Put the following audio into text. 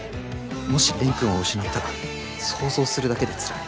もし蓮くんを失ったら想像するだけでつらい。